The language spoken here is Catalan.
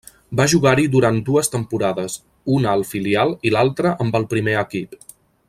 Va jugar-hi durant dues temporades, una al filial i l'altra amb el primer equip.